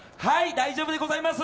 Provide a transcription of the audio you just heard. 大丈夫でございます！